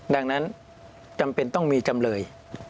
ดังนั้นจำเป็นต้องมีจำเลย